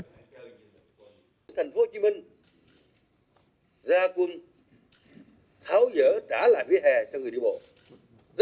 thành phố hồ chí minh ra quân tháo dỡ trả lại vỉa hè cho người đi bộ